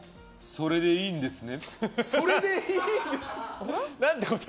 それでいいんですね？